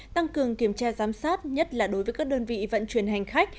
tăng cường kiểm tra giám sát nhất là đối với các đơn vị vận chuyển hành khách